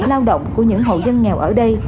lao động của những hộ dân nghèo ở đây